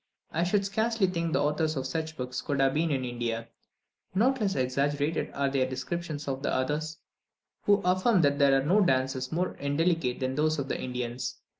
I should scarcely think the authors of such books could have been in India! Not less exaggerated are the descriptions of others, who affirm that there are no dances more indelicate than those of the Indians.